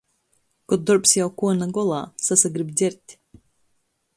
Kod dorbs jau kuo na golā, sasagrib dzert.